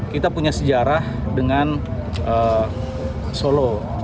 kita punya sejarah dengan solo